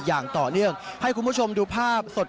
อย่างต่อเนื่องให้คุณผู้ชมดูภาพสด